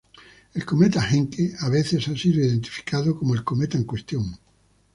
El cometa Encke a veces ha sido identificado como el cometa en cuestión.